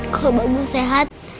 kalau bagus sehat